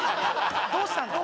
どうしたの？